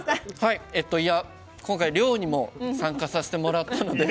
今回漁にも参加させてもらったので。